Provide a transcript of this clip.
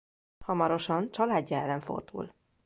Hamarosan családja ellen fordul.